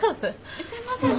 すいません。